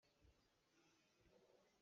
Sizung ah rian a ṭuan.